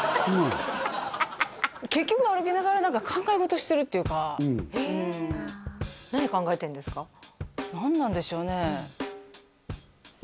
結局歩きながら何か考え事してるっていうかうん何なんでしょうね？